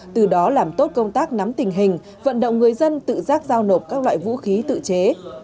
từ đó làm tốt công tác nắm tình hình vận động người dân tự giác giao nộp các loại vũ khí tự chế